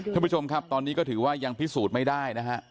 ท่านผู้ชมครับตอนนี้ก็ถือว่ายังพิสูจน์ไม่ได้นะฮะ